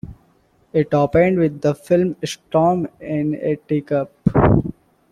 It opened with the film "Storm in a Teacup".